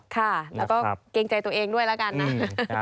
ค่ะแล้วก็เกรงใจตัวเองด้วยแล้วกันนะ